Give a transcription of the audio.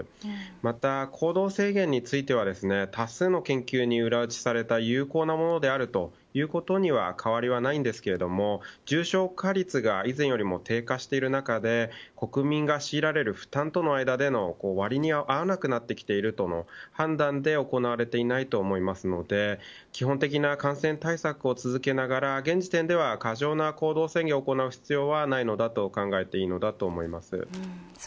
また行動制限については多数の研究に裏打ちされた有効なものであるということには変わりはありませんが重症化率が以前よりも低下している中で国民が強いられる負担との間での割に合わなくなっているとの判断で行われていないと思いますので基本的な感染対策を続けながら現時点では過剰な行動制限を行う必要はないと考えていいと思います。